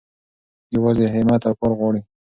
يوازې هيمت او کار غواړي.